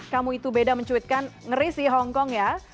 kamu itu beda mencuitkan ngeri sih hongkong ya